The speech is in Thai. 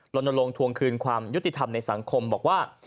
ลงทวงคืนความยุติธรรมในสังคมบอกว่า